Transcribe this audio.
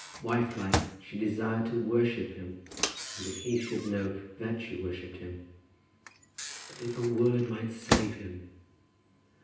Wifelike, she desired to worship him, and that he should know that she worshipped him. But if a word might save him!